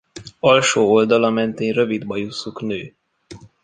Alsó oldala mentén rövid bajuszuk nő.